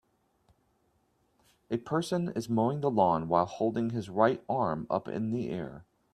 A person is mowing the lawn while holding his right arm up in the air.